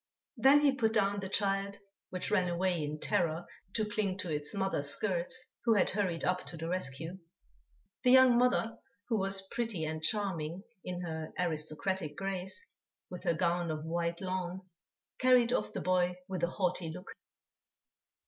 Then he put down the child, which ran away in terror to cling to its mother's skirts, who had hurried up to the rescue. The young mother, who was pretty and charming in her aristocratic grace, with her gown of white lawn, carried off the boy with a haughty look.